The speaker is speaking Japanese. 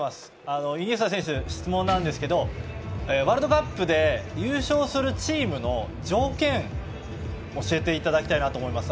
イニエスタ選手に質問なんですけれどもワールドカップで優勝するチームの条件教えていただきたいと思います。